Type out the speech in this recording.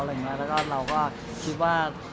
แล้วก็เราก็คิดว่า